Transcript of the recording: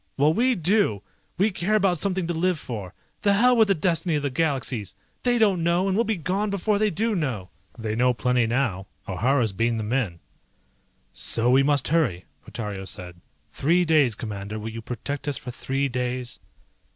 Well we do! We care about something to live for. The hell with the destiny of the Galaxies! They don't know, and we'll be gone before they do know." "They know plenty now. O'Hara's beamed them in." "So we must hurry," Portario said. "Three days, Commander, will you protect us for three days?"